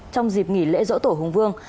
trong dịp nghỉ lễ dỗ tổ hùng vương